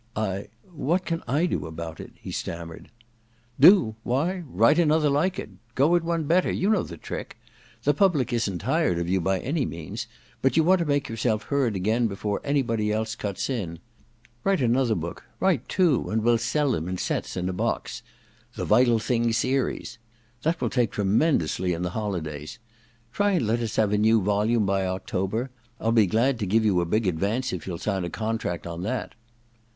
* I — what can I do about it ?' he stammered. * Do } Why, write another like it — go it one better : you know the trick. The public isn't 36 THE DESCENT OF MAN vr dred of you hy any means ; but you want to make yourself heard again before anybody else cuts in. Write another book — ^write two, and we'll sell them in sets in a box : The Vital Thing Series. That will take tremendously in the holi days. Try and let us have a new volume by October — I'll be glad to give you a big advance if you'll sign a contract on that.'